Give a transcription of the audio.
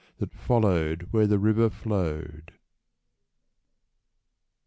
That followed where the river flowed